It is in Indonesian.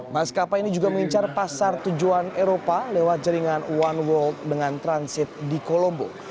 maskapai ini juga mengincar pasar tujuan eropa lewat jaringan one walk dengan transit di kolombo